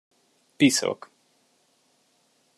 Piszok!